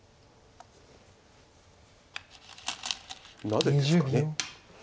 なぜですかね。